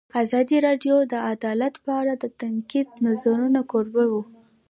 ازادي راډیو د عدالت په اړه د نقدي نظرونو کوربه وه.